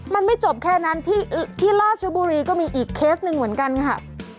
มันไม่จบแค่นั้นที่ราชบุรีก็มีอีกเคสหนึ่งเหมือนกันค่ะ